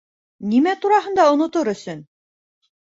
Нимә тураһында онотор өсөн?